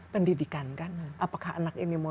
pendidikan kan apakah anak ini mau